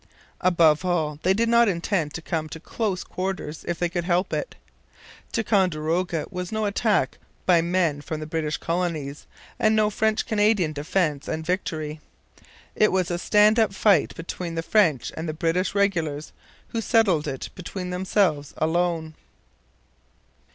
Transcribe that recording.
Above all, they did not intend to come to close quarters if they could help it. Ticonderoga was no attack by men from the British colonies and no French Canadian defence and victory. It was a stand up fight between the French and the British regulars, who settled it between themselves alone.